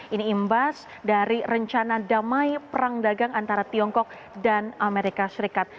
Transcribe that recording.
ini imbas dari rencana damai perang dagang antara tiongkok dan amerika serikat